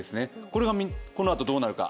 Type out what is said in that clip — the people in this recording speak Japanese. これがこのあと、どうなるか。